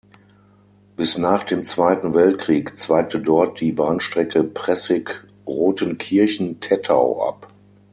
Bis nach dem Zweiten Weltkrieg zweigte dort die Bahnstrecke Pressig-Rothenkirchen–Tettau ab.